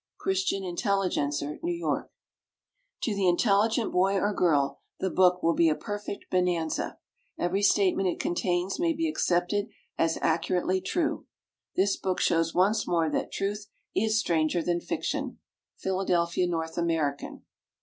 Christian Intelligencer, N. Y. To the intelligent boy or girl the book will be a perfect bonanza. Every statement it contains may be accepted as accurately true. This book shows once more that truth is stranger than fiction. _Philadelphia North American.